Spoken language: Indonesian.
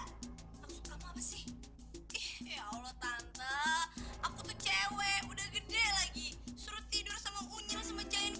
salah ini buat kami bertiga aku tuh cewek udah gede lagi tidur sama unyil sama jahe